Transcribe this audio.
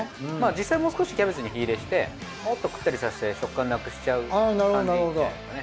実際もう少しキャベツに火入れしてもっとくったりさせて食感なくしゃう感じじゃないですかね？